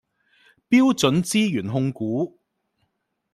標準資源控股